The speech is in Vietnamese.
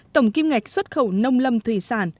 tổng kim ngạch xuất khẩu nông lâm thủy sản